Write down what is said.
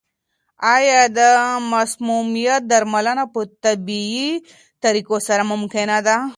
آیا د مسمومیت درملنه په طبیعي طریقو سره ممکنه ده؟